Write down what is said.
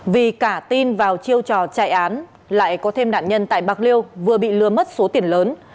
vì cả tin vào chiêu trò chạy án lại có thêm nạn nhân tại bạc liêu vừa bị lừa mất số tiền lớn